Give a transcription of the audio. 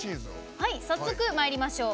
早速、まいりましょう。